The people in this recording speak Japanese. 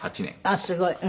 ああすごい！